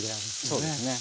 そうですね。